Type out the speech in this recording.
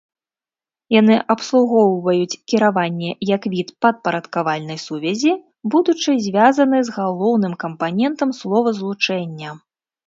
Яны абслугоўваюць кіраванне як від падпарадкавальнай сувязі, будучы звязаны з галоўным кампанентам словазлучэння.